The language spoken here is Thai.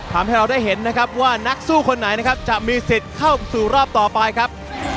ทำให้เราได้เห็นนะครับว่านักสู้คนไหนนะครับจะมีสิทธิ์เข้าสู่รอบต่อไปครับ